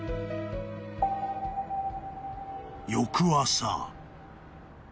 ［翌朝］